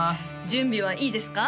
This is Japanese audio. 準備はいいですか？